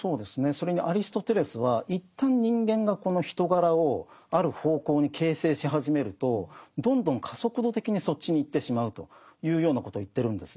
それにアリストテレスは一旦人間がこの人柄をある方向に形成し始めるとどんどん加速度的にそっちに行ってしまうというようなことを言ってるんですね。